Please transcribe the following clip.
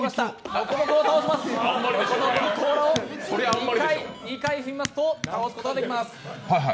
ノコノコの甲羅を２回踏みますと倒すことができます。